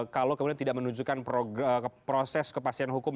kalau kemudian tidak menunjukkan proses kepastian hukum